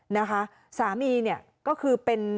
นะคะสามีเนี่ยก็คือเป็น